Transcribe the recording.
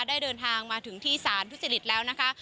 ได้เดินทางมาสารทุษฎฤทธิ์แล้วนะคะ